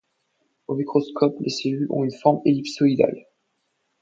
Au microscope, les cellules ont une forme ellipsoïdale.